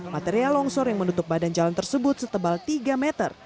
material longsor yang menutup badan jalan tersebut setebal tiga meter